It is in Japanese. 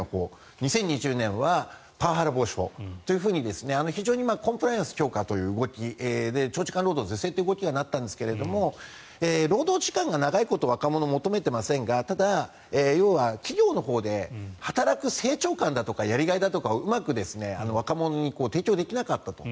２０２０年はパワハラ防止法というふうに非常にコンプライアンス強化という動きで長時間労働是正という動きにはなったんですけども労働時間が長いことを若者は求めていますがただ、要は企業のほうで働く成長感だとかやりがいだとかをうまく若者に提供できなかったと。